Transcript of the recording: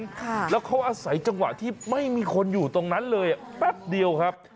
ค่ะแล้วเขาอาศัยจังหวะที่ไม่มีคนอยู่ตรงนั้นเลยอ่ะแป๊บเดียวครับ